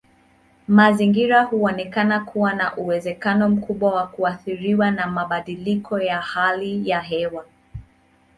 Mazingira huonekana kuwa na uwezekano mkubwa wa kuathiriwa na mabadiliko ya hali ya hewa.